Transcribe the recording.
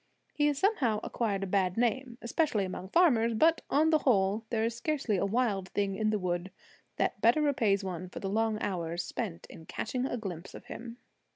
He has somehow acquired a bad name, especially among farmers; but, on the whole, there is scarcely a wild thing in the woods that better repays one for the long hours spent in catching a glimpse of him.